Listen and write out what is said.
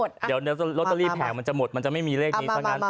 เดี๋ยวลอตเตอรี่แผงมันจะหมดมันจะไม่มีเลขนี้ซะงั้น